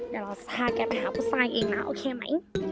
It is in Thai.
เดี๋ยวเราพาแกไปหาผู้ตายเองนะโอเคไหม